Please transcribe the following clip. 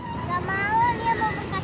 enggak mau nia mau bubur kacang hijau